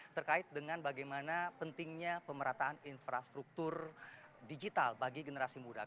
terkait dengan bagaimana pentingnya pemerataan infrastruktur digital bagi generasi muda